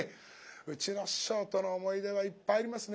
うちの師匠との思い出はいっぱいありますね。